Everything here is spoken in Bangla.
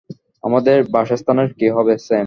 আমাদের বাসস্থানের কী হবে, স্যাম?